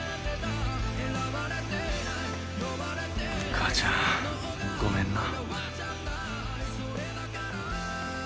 母ちゃんごめんな。